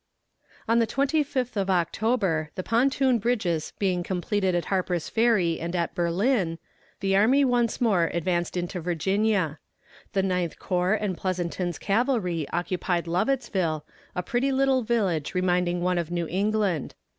On the 25th of October, the pontoon bridges being completed at Harper's Ferry and at Berlin, the army once more advanced into Virginia. The ninth corps and Pleasanton's cavalry occupied Lovettsville, a pretty little village reminding one of New England.